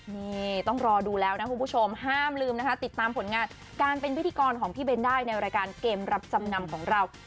นี่ต้องรอดูแล้วนะคุณผู้ชมห้ามลืมนะคะติดตามผลงานการเป็นพิธีกรของพี่เบ้นได้ในรายการเกมรับจำนำของเรา